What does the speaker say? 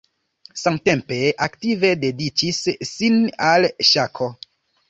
Samtempe aktive dediĉis sin al ŝako.